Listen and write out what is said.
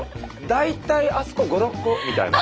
大体あそこ５６個みたいな。